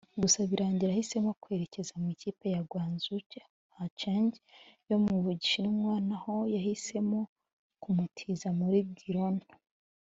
gusa birangira ahisemo kwerekeza mu ikipe ya Guizhou Zhicheng yo mu Bushinwa nayo yahisemo kumutiza muri Girona